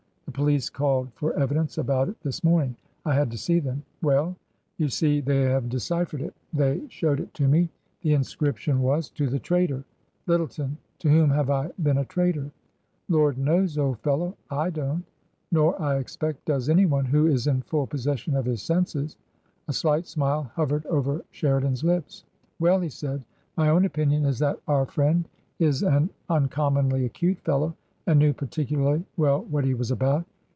The police called for evidence about it this morning. I had to see them." " Well ?"" You see, they have deciphered it. They showed it to me. The inscription was :' To the Traitor.' Lyttle ton ! to whom have I been a traitor ?"" Lord knows, old fellow, / don't. Nor, I expect, does anyone who is in full possession of his senses." A slight smile hovered over Sheridan's lips. " Well," he said, " my own opinion is that our friend is an uncommonly acute fellow and knew particularly well what he was about.